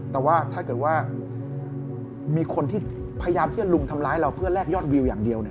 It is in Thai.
แต่ว่าถ้าเกิดว่ามีคนที่พยายามที่จะลุมทำร้ายเราเพื่อแลกยอดวิวอย่างเดียว